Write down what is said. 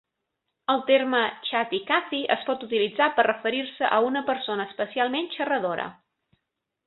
El terme "Chatty Cathy" es pot utilitzar per referir-se a una persona especialment xerradora.